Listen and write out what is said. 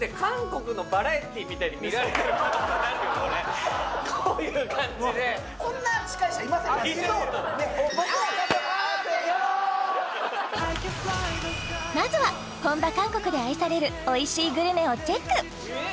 これいそうなのまずは本場・韓国で愛されるおいしいグルメをチェック